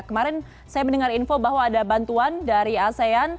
kemarin saya mendengar info bahwa ada bantuan dari asean